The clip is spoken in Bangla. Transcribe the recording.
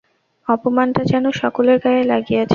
অপমানটা যেন সকলের গায়ে লাগিয়াছে।